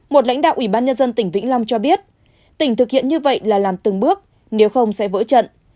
một lãnh đạo ủy ban nhân dân tỉnh vĩnh long cho biết tỉnh thực hiện như vậy là làm từng bước nếu không sẽ vỡ trận